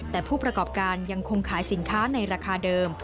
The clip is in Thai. แต่ผู้ประกอบการยังคงขายสินค้าในราคาเดิม